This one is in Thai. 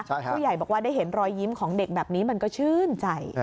ผู้ใหญ่บอกว่าได้เห็นรอยยิ้มของเด็กแบบนี้มันก็ชื่นใจ